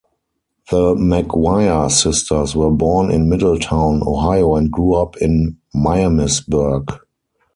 The McGuire sisters were born in Middletown, Ohio, and grew up in Miamisburg.